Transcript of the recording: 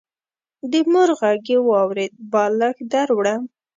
د مور غږ يې واورېد: بالښت دروړم.